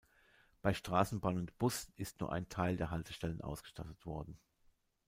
Bei Straßenbahn und Bus ist nur ein Teil der Haltestellen ausgestattet worden.